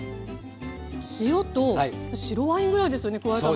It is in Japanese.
塩と白ワインぐらいですよね加えたの。